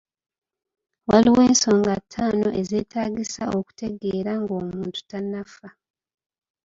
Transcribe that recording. Waliwo ensonga taano ezetaagisa okutegeera nga omuntu tannaffa.